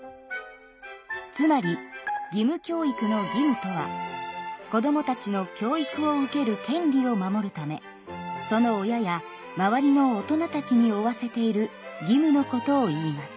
つまり義務教育の義務とは子どもたちの教育を受ける権利を守るためその親や周りの大人たちに負わせている義務のことをいいます。